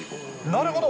なるほど。